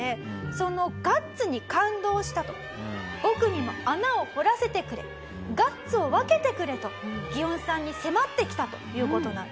「そのガッツに感動した！」と「僕にも穴を掘らせてくれ！」「ガッツを分けてくれ」とギオンさんに迫ってきたという事なんですね。